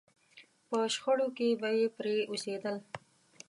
په شخړو کې بې پرې اوسېدل.